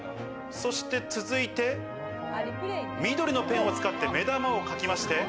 そして続いて緑のペンを使って目玉を書きまして。